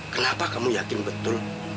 kenapa kamu yakin betul